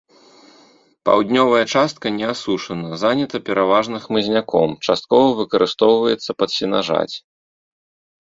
Паўднёвая частка не асушана, занята пераважна хмызняком, часткова выкарыстоўваецца пад сенажаць.